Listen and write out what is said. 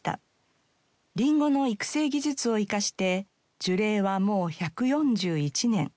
リンゴの育成技術を生かして樹齢はもう１４１年。